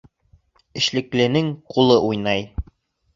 Эшлекленең ҡулы уйнай.